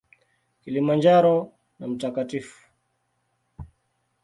Kilimanjaro na Mt.